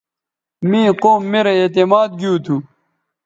می قوم میرے اعتماد گیوتھو